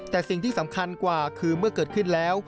แต่สิ่งที่สำคัญกว่าคือเมื่อเกิดขึ้นแล้ว